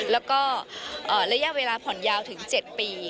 แล้วก็ระยะเวลาผ่อนยาวถึง๗ปี